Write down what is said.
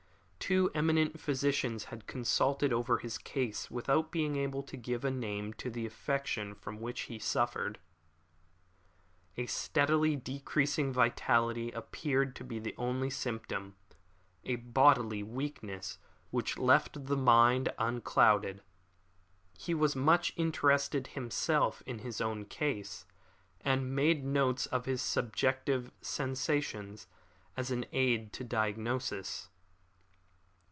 Two eminent physicians had consulted over his case without being able to give a name to the affection from which he suffered. A steadily decreasing vitality appeared to be the only symptom a bodily weakness which left the mind unclouded. He was much interested himself in his own case, and made notes of his subjective sensations as an aid to diagnosis.